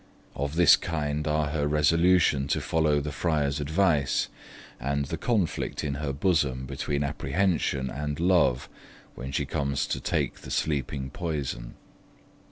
Of this kind are her resolution to follow the Friar's advice, and the conflict in her bosom between apprehension and love when she comes to take the sleeping poison.